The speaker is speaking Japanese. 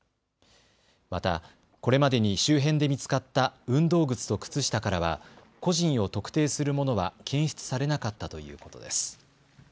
また、これまでに周辺で見つかった運動靴と靴下からは個人を特定するものは検出されなかったということです。